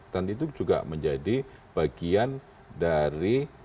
dan itu juga menjadi bagian dari